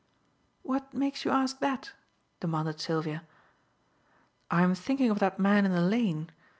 "What makes you ask that?" demanded Sylvia. "I am thinking of that man in the lane.